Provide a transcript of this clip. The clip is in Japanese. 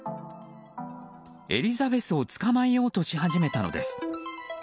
エリザベスを捕まえようとし始めたのです。